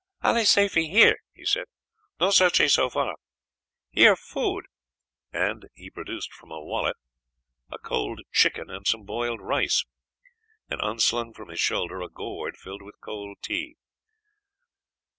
"Allee safee here," he said, "no searchee so far; here food," and he produced from a wallet a cold chicken and some boiled rice, and unslung from his shoulder a gourd filled with cold tea.